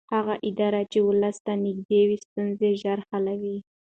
هغه اداره چې ولس ته نږدې وي ستونزې ژر حلوي